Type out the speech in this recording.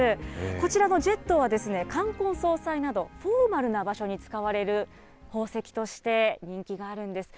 こちらのジェットは、冠婚葬祭など、フォーマルな場所に使われる宝石として人気があるんです。